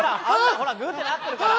ほらグッてなってるから。